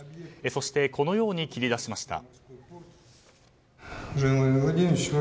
そしてこのように切り出しました。